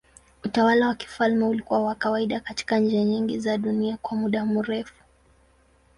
Utawala wa kifalme ulikuwa wa kawaida katika nchi nyingi za dunia kwa muda mrefu.